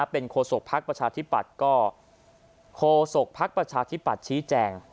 เป็นโฆษกภักดิ์ประชาธิปัตย์ก็โคศกภักดิ์ประชาธิปัตย์ชี้แจง